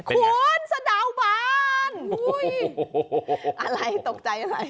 คุณสะดาวบานอะไรตกใจอะไร